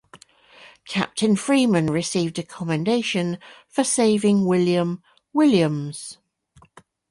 Captain Freeman received a commendation for saving "William Williams".